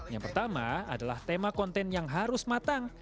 yang pertama adalah tema konten yang harus matang